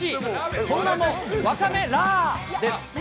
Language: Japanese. その名も、わかめラーです。